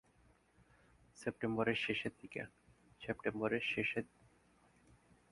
সেপ্টেম্বরের শেষের দিকে সেপ্টেম্বরের শেষের দিকে থেকে, ডুবে যাওয়া ক্যান্সার সচেতনতা মাসের জন্য সুদান জি।